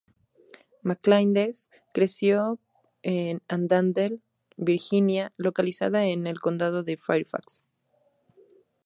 McCandless creció en Annandale, Virginia, localizada en el condado de Fairfax.